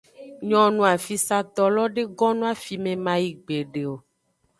Nyonu afisato lo de gonno afime mayi gbede o.